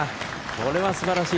これは素晴らしい。